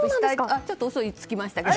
ちょっと嘘つきましたけど。